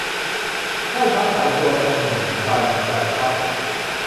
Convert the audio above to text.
สร้อยฟ้าขายตัว - ชอุ่ม ปัญจพรรค์